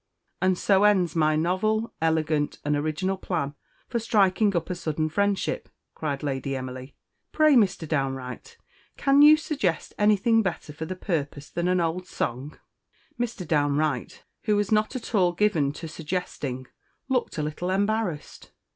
"And so ends my novel, elegant, and original plan for striking up a sudden friendship," cried Lady Emily. "Pray, Mr. Downe Wright, can you suggest anything better for the purpose than an old song?" Mr. Downe Wright, who was not at all given to suggesting, looked a little embarrassed.